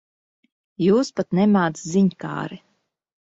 Jūs pat nemāc ziņkāre.